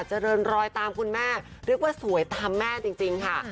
เจริญรอยตามคุณแม่เรียกว่าสวยตามแม่จริงค่ะ